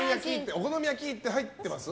お好み焼きって入ってます？